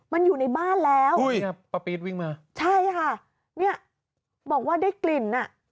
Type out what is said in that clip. มันอยู่ในบ้านแล้วใช่ค่ะบอกว่าได้กลิ่น